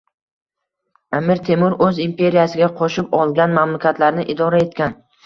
Amir Temur o'z imperiyasiga qo'shib olgan mamlakatlarni idora etgan